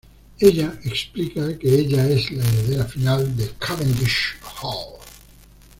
Ella explica que ella es la heredera final de Cavendish Hall.